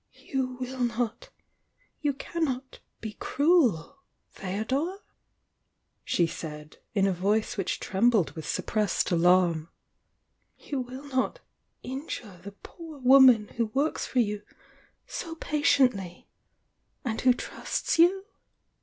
'You will not,— you cannot be cruel, Feodor?" she said, in a voice which tr mbled with suppressed alarni. "You will not inji the poor woman who works for you so patiently, and who trusts you?"